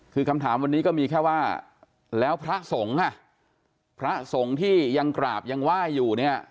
คือคำถามวันนี้ก็มีแค่ว่าแล้วพระสงฆ์อ่ะพระสงฆ์ที่ยังกราบยังไหว้อยู่เนี่ย